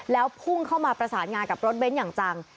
แล้วพุ่งเข้ามาประสานงานกับรถเบ้นอย่างจัง